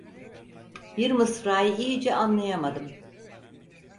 Bir mısrayı iyice anlayamadım.